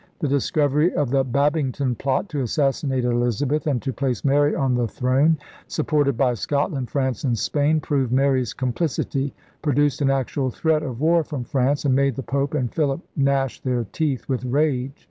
The discovery of the Babington Plot to assassinate Elizabeth and to place Mary on the throne, sup ported by Scotland, France, and Spain, proved Mary's complicity, produced an actual threat of war from France, and made the Pope and Philip gnash their teeth with rage.